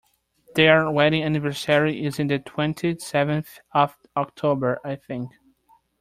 Their wedding anniversary is the twenty-seventh of October, I think